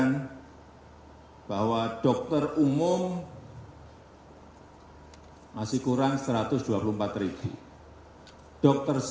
ini adalah perunggulan sakitnya